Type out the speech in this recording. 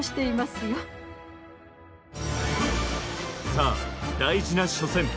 さあ大事な初戦。